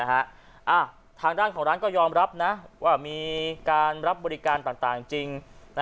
ทางด้านของร้านก็ยอมรับนะว่ามีการรับบริการต่างจริง